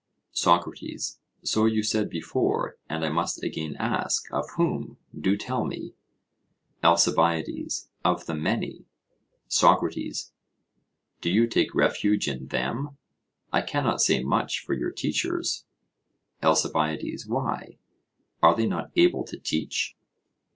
SOCRATES: So you said before, and I must again ask, of whom? Do tell me. ALCIBIADES: Of the many. SOCRATES: Do you take refuge in them? I cannot say much for your teachers. ALCIBIADES: Why, are they not able to teach?